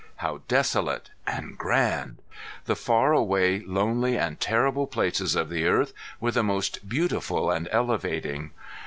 How desolate and grand! The far away, lonely and terrible places of the earth were the most beautiful and elevating.